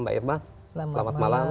mbak irma selamat malam